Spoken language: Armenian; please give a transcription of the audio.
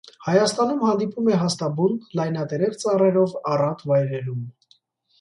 Հայաստանում հանդիպում է հաստաբուն, լայնատերև ծառերով առատ վայրերում։